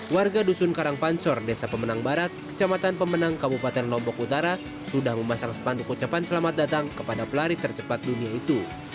warga dusun karangpancor desa pemenang barat kecamatan pemenang kabupaten lombok utara sudah memasang sepanduk ucapan selamat datang kepada pelari tercepat dunia itu